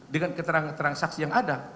dengan keterangan keterangan saksi yang ada